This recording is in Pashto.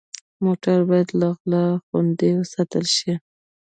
موټر باید له غلا خوندي وساتل شي.